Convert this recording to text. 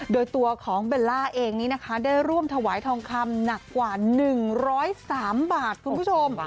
โดยตัวของเบลล่าเองนี้นะคะได้ร่วมถวายทองคำหนักกว่า๑๐๓บาทคุณผู้ชม